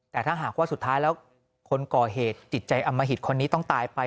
แต่ถ้าหากว่าสุดท้ายแล้วคนก่อเหตุจิตใจอมหิตคนนี้ต้องตายไป